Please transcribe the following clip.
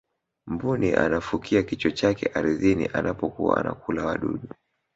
mbuni anafukia kichwa chake ardhini anapokuwa anakula wadudu